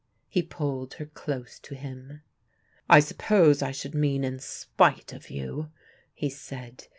He pulled her close to him. "I suppose I should mean in spite of you," he said.